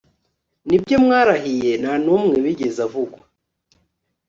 Nibyo mwarahiye ntanumwe wigeze avugwa